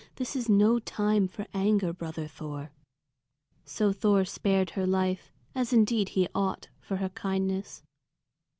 This is no time for anger, brother Thor." So Thor spared her life, as indeed he ought, for her kindness.